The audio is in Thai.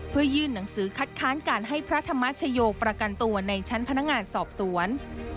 เพื่อยื่นหนังสือคัดค้านการให้พระธรรมชโยประกันตัวในชั้นพนักงานสอบสวน